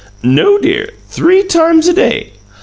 "No, dear; three times a day."